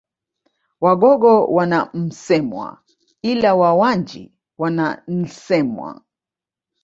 Wagogo wana Msemwa ila Wawanji wana Nsemwa